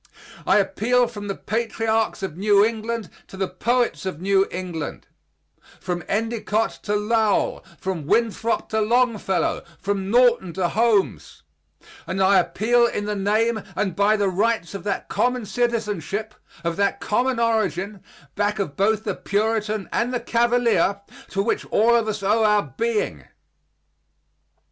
I appeal from the patriarchs of New England to the poets of New England; from Endicott to Lowell; from Winthrop to Longfellow; from Norton to Holmes; and I appeal in the name and by the rights of that common citizenship of that common origin back of both the Puritan and the Cavalier to which all of us owe our being.